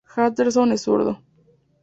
Atherton es zurdo.